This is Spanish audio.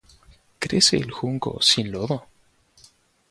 ¿Crece el junco sin lodo?